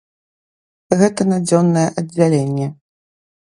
Гэта на дзённае аддзяленне.